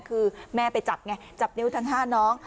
คือแม่ไปจับไงจับนิ้วทั้ง๕น้อง